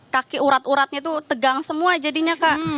kaki urat uratnya itu tegang semua jadinya kak